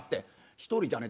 一人じゃねえ